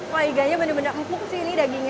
wah iganya benar benar empuk sih ini dagingnya